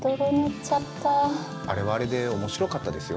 あれはあれで面白かったですよ。